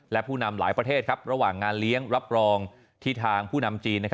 และผู้นำหลายประเทศระหว่างงานเลี้ยงรับรองที่ทางผู้นำจีน